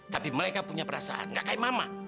tapi mereka punya perasaan gak kaya mama